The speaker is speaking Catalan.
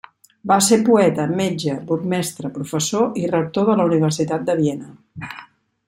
Va ser poeta, metge, burgmestre, professor i rector de la Universitat de Viena.